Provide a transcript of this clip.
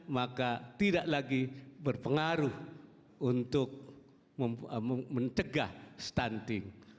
maka tidak lagi berpengaruh untuk mencegah stunting